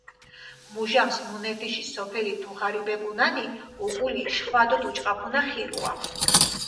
მუჟამს მუნეფიში სოფელი დუღარიბებუნანი, უკული შხვადო დუჭყაფუნა ხირუა.